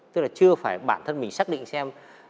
tức là chưa phải bản thân mình xác định xem